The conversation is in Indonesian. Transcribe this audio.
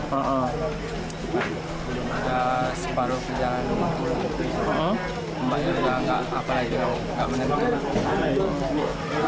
maka separuh perjalanan ombak juga nggak apa apa lagi nggak menemukan